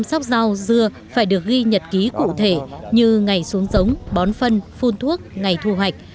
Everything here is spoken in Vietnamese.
chế độ trăm sóc rau dưa phải được ghi nhật ký cụ thể như ngày xuống giống bón phân phun thuốc ngày thu hoạch